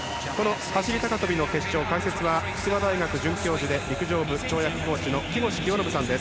走り高跳びの決勝解説は筑波大学准教授で陸上部跳躍コーチの木越清信さんです。